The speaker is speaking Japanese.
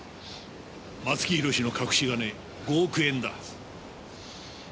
松木弘の隠し金５億円だ。